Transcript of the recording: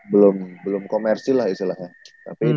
belum belum commercial gitu ya